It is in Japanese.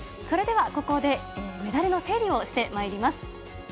それでは、ここで、メダルの整理をしてまいります。